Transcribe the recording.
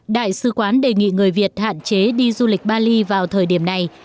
đại sứ quán đề nghị người việt hạn chế đi du lịch bali vào thời điểm này